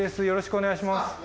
よろしくお願いします。